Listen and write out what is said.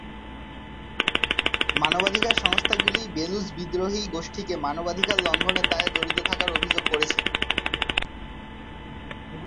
মানবাধিকার সংস্থাগুলি বেলুচ বিদ্রোহী গোষ্ঠীকে মানবাধিকার লঙ্ঘনের দায়ে জড়িত থাকার অভিযোগ করেছে।